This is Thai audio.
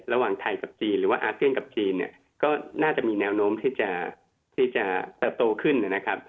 ระหว่างไทยกับจีนหรือว่าอาเซียนกับจีนเนี่ยก็น่าจะมีแนวโน้มที่จะเติบโตขึ้นนะครับ